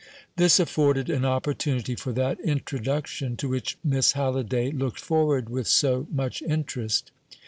This afforded an opportunity for that introduction to which Miss Halliday looked forward with so much interest.